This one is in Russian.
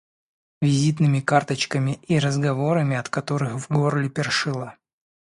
визитными карточками и разговорами, от которых в горле першило